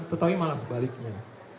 tetapi malah sebaliknya